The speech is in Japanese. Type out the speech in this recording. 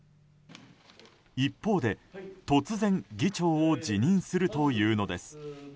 一方で、突然議長を辞任するというのです。